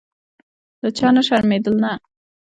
له چا نه شرمېدل نه.